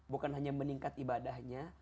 bukan hanya meningkat ibadahnya